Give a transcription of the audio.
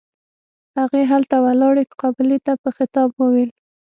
هغې هلته ولاړې قابلې ته په خطاب وويل.